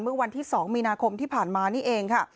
เมื่อวันที่๒มีนาคมที่ผ่านมานี่เองค่ะ